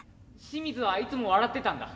清水はいつも笑ってたんだ。